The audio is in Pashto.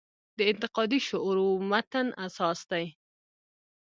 د انتقادي شعور و متن اساس دی.